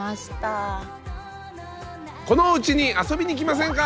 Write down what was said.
このおうちに遊びに来ませんか？